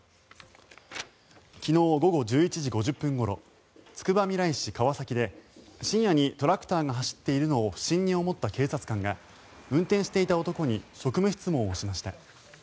昨日午後１１時５０分ごろつくばみらい市川崎で深夜にトラクターが走っているのを不審に思った警察官が運転していた男に職務質問をしました。